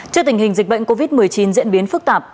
trước tình hình dịch bệnh covid một mươi chín diễn biến phức tạp